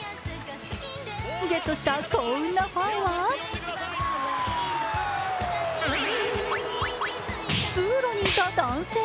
ゲットしたこんなファンは通路にいた男性。